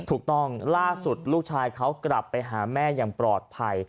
ถูกต้องล่าสุดลูกชายเขากลับไปหาแม่อย่างปลอดภัย